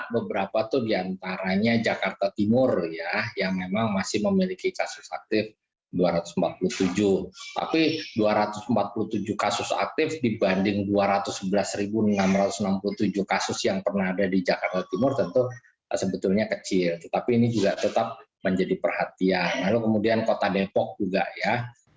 sebetulnya kecil tetapi ini juga tetap menjadi perhatian lalu kemudian kota depok juga ya